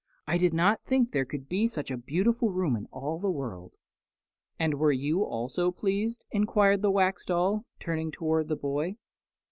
"I did not think there could be such a beautiful room in all the world." "And were you also pleased?" inquired the Wax Doll, turning toward the boy.